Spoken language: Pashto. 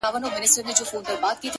• څه په کار دي حکمتونه او عقلونه,